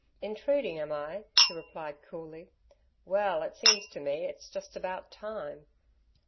"Intruding, am I?" he replied coolly. "Well, it seems to me, it's just about time."